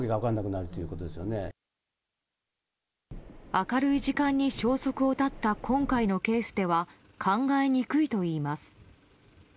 明るい時間に消息を絶った今回のケースでは考えにくいといいます。